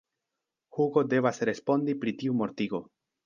Hugo devas respondi pri tiu mortigo.